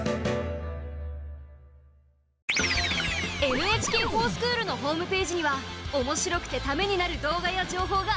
「ＮＨＫｆｏｒＳｃｈｏｏｌ」のホームページにはおもしろくてためになる動画や情報がいっぱいあるよ！